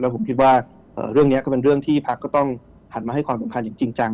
ผมคิดว่าเรื่องนี้ก็เป็นเรื่องที่พักก็ต้องหันมาให้ความสำคัญอย่างจริงจัง